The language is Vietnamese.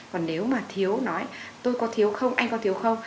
còn nếu mà thiếu nói tôi có thiếu không anh có thiếu không